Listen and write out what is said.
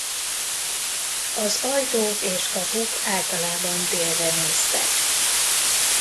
Az ajtók és kapuk általában délre néztek.